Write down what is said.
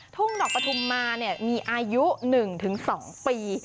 ทุ่งดอกปฐุมมามีอายุ๑๒ปี